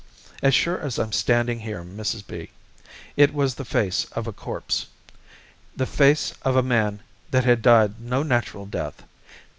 As sure as I'm standing here, Mrs. B , it was the face of a corpse the face of a man that had died no natural death.